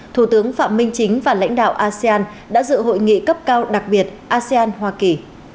thủ tướng phạm minh chính và lãnh đạo asean đã dự hội nghị cấp cao đặc biệt asean hoa kỳ